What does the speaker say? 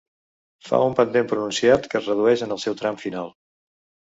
Fa un pendent pronunciat que es redueix en el seu tram final.